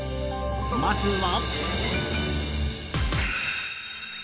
まずは。